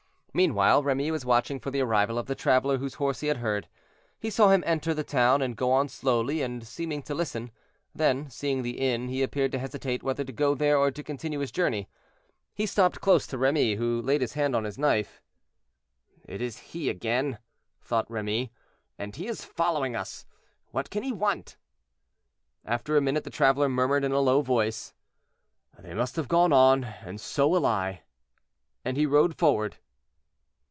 Meanwhile Remy was watching for the arrival of the traveler whose horse he had heard. He saw him enter the town and go on slowly, and seeming to listen; then, seeing the inn, he appeared to hesitate whether to go there or to continue his journey. He stopped close to Remy, who laid his hand on his knife. "It is he again," thought Remy, "and he is following us. What can he want?" After a minute the traveler murmured in a low voice, "They must have gone on, and so will I," and he rode forward.